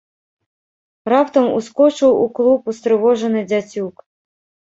Раптам ускочыў у клуб устрывожаны дзяцюк.